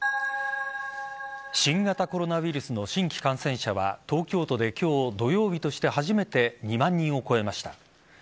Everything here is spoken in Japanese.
新型コロナウイルスの新規感染者は東京都で今日土曜日として初めて２万人を超えました。